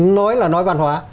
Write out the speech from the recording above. nói là nói văn hóa